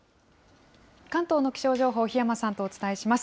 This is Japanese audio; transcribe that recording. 関東の気象情報、檜山さんとお伝えします。